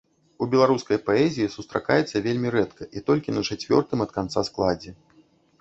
У беларускай паэзіі сустракаецца вельмі рэдка і толькі на чацвёртым ад канца складзе.